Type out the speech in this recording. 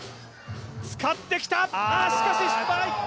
使ってきた、しかし失敗！